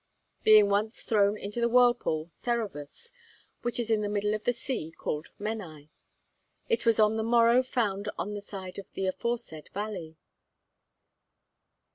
Being once thrown into the whirlpool Cerevus, which is in the middle of the sea called Menai, it was on the morrow found on the side of the aforesaid valley.